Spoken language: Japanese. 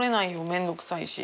めんどくさいし。